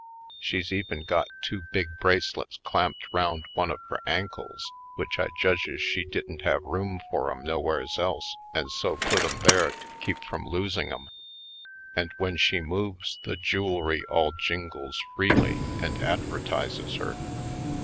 She's even got two big bracelets clamped round one of her ankles, which I judges she didn't have room for 'em nowheres else and so put 'em there to keep from losing 'em; and when she moves the jewelry all jingles freely and ad vertises her.